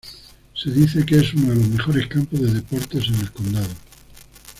Se dice que es uno de los mejores campos de deportes en el condado.